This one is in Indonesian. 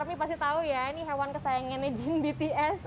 tapi pasti tau ya ini hewan kesayangannya jin bts